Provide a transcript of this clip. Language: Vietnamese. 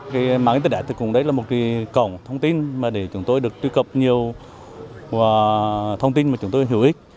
cái mạng internet thì cũng đấy là một cái cổng thông tin mà để chúng tôi được truy cập nhiều thông tin mà chúng tôi hữu ích